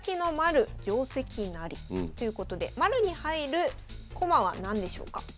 ということで丸に入る駒は何でしょうか。